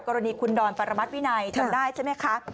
กรณีคุณดอนปรมัติวินัยจำได้ใช่ไหมคะ